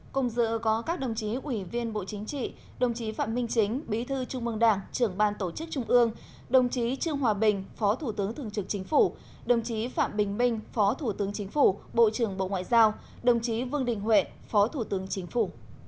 cùng dự có các đồng chí ủy viên bộ chính trị đồng chí phạm minh chính bí thư trung mương đảng trưởng ban tổ chức trung ương đồng chí trương hòa bình phó thủ tướng thường trực chính phủ đồng chí phạm bình minh phó thủ tướng chính phủ bộ trưởng bộ ngoại giao đồng chí vương đình huệ phó thủ tướng chính phủ